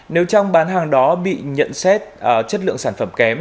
nếu trong bán hàng đó bị nhận xét chất lượng sản phẩm kém